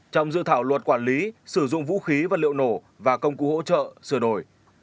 trong dự thảo luật quản lý sử dụng vũ khí vật liệu nổ và công cụ hỗ trợ sửa đổi